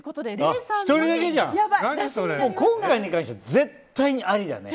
今回に関しては絶対にありだね。